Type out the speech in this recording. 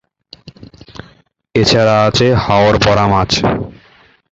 এছাড়া আছে হাওর ভরা মাছ।